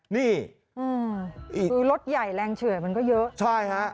นี่คือรถใหญ่แรงเฉื่อยมันก็เยอะใช่ฮะ